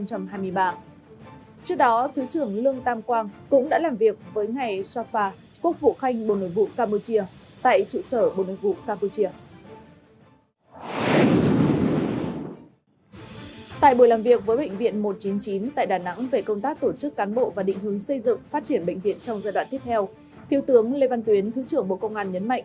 thiếu tướng lê văn tuyến thứ trưởng bộ công an nhấn mạnh